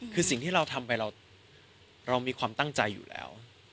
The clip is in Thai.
คือสิ่งที่เราทำไปเรามีความตั้งใจอยู่แล้ว